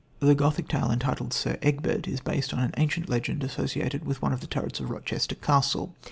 The Gothic tale entitled Sir Egbert is based on an ancient legend associated with one of the turrets of Rochester Castle.